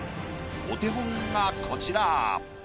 お手本がこちら。